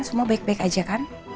semua baik baik aja kan